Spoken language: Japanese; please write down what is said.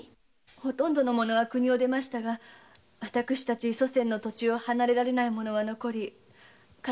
ほとんどの者は国を出ましたが私たち祖先の土地を離れられない者は刀を捨てて百姓になりました。